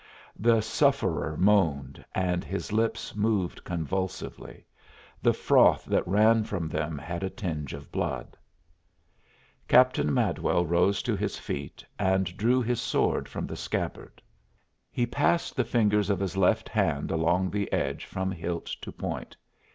The sufferer moaned and his lips moved convulsively. The froth that ran from them had a tinge of blood. Captain Madwell rose to his feet and drew his sword from the scabbard. He passed the fingers of his left hand along the edge from hilt to point.